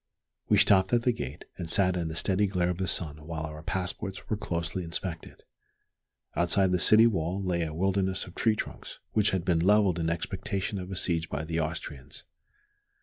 We stopped at the gate, and sat in the steady glare of the sun while our passports were closely inspected. Outside the city wall lay a wilderness of tree trunks, which had been levelled in expectation of a siege by the Austrians.